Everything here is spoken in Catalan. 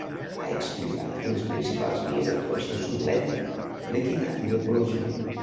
Ha explicat que les principals vies d'actuació són l'ètica, l'equitat i l'ecologia.